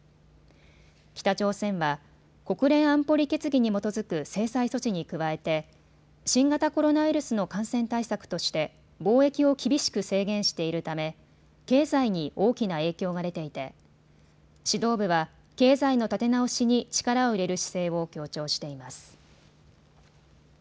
北朝鮮は国連安保理決議に基づく制裁措置に加えて新型コロナウイルスの感染対策として貿易を厳しく制限しているため経済に大きな影響が出ていて指導部は経済の立て直しに力を入れる姿勢を強調しています。